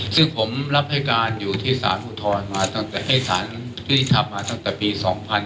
ซึ่งผมรับให้การอยู่ที่ศาลผู้ทนมาตั้งแต่ให้ศาลที่ที่ทำมาตั้งแต่ปีสองพัน